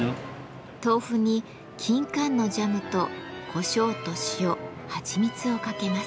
豆腐にきんかんのジャムとこしょうと塩蜂蜜をかけます。